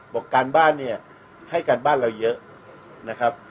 การบ้านเนี่ยให้การบ้านเราเยอะนะครับ